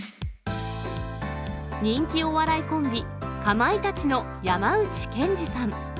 人気お笑いコンビ、かまいたちの山内健司さん。